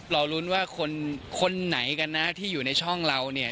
เรารุ้นว่าคนไหนกันนะที่อยู่ในช่องเราเนี่ย